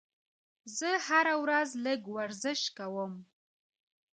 زه هره ورځ لږ ورزش کوم.